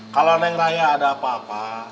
kalau neng raya ada apa apa